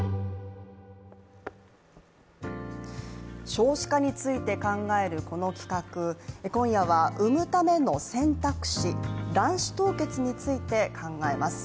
少子化について考えるこの企画、今夜は産むための選択肢、卵子凍結について考えます。